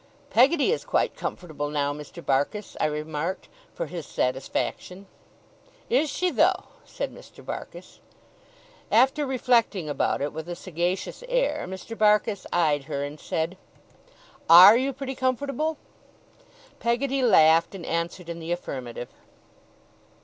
'Peggotty is quite comfortable now, Mr. Barkis,' I remarked, for his satisfaction. 'Is she, though?' said Mr. Barkis. After reflecting about it, with a sagacious air, Mr. Barkis eyed her, and said: 'ARE you pretty comfortable?' Peggotty laughed, and answered in the affirmative.